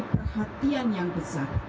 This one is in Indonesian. perhatian yang besar